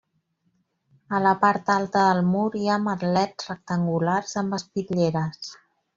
A la part alta del mur hi ha merlets rectangulars amb espitlleres.